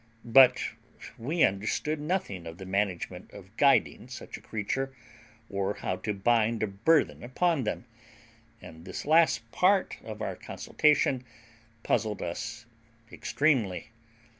But we understood nothing of the management of guiding such a creature, or how to bind a burthen upon them; and this last part of our consultation puzzled us extremely.